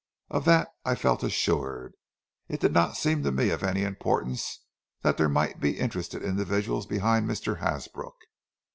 Of that I felt assured. It did not seem to me of any importance that there might be interested individuals behind Mr. Hasbrook.